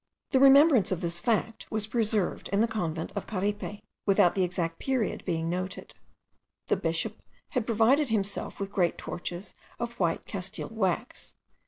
The remembrance of this fact was preserved in the convent of Caripe, without the exact period being noted. The bishop had provided himself with great torches of white Castile wax.